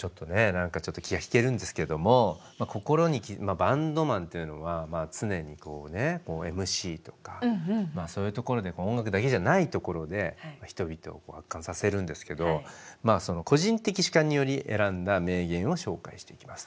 何かちょっと気が引けるんですけども心にバンドマンというのは常にこうねＭＣとかそういうところで音楽だけじゃないところで人々を圧巻させるんですけど個人的主観により選んだ名言を紹介していきますと。